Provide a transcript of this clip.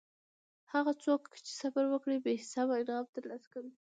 هغه څوک چې صبر وکړي بې حسابه انعام ترلاسه کوي.